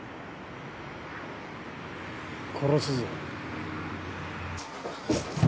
殺すぞ。